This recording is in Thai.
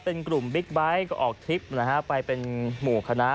เป็นกลุ่มบิ๊กไบท์ก็ออกทริปนะฮะไปเป็นหมู่คณะ